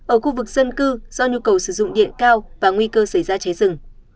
ở khu vực dân cư do nhu cầu sử dụng điện cao và nguy cơ xảy ra cháy rừng